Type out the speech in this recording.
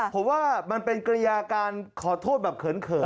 ผมว่ามันเป็นกริยาการขอโทษแบบเขิน